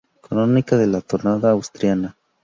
Crónica de la Tonada Asturiana